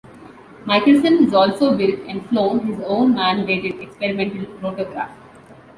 Michelson has also built and flown his own man-rated experimental rotorcraft.